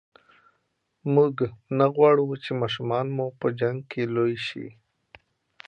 موږ نه غواړو چې ماشومان مو په جنګ کې لوي شي.